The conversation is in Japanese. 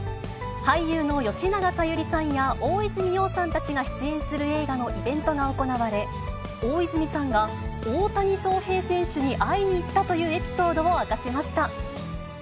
俳優の吉永小百合さんや大泉洋さんたちが出演する映画のイベントが行われ、大泉さんが、大谷翔平選手に会いに行ったというエピソードを明かしました。